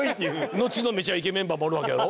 のちの『めちゃイケ』メンバーもおるわけやろ。